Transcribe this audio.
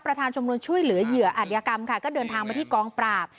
จำนวนช่วยเหลือเหยื่ออัธยกรรมค่ะก็เดินทางมาที่กองปราบ